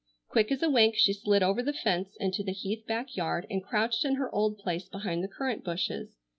Quick as a wink she slid over the fence into the Heath back yard and crouched in her old place behind the currant bushes.